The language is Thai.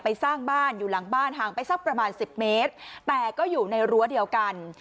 สร้างบ้านอยู่หลังบ้านห่างไปสักประมาณสิบเมตรแต่ก็อยู่ในรั้วเดียวกัน